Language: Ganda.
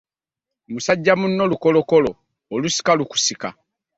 Musajja muno lukolokolo olusika lukusika .